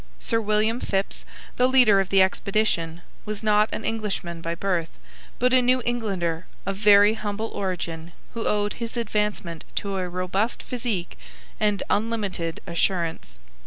Sir William Phips, the leader of the expedition, was not an Englishman by birth, but a New Englander of very humble origin who owed his advancement to a robust physique and unlimited assurance.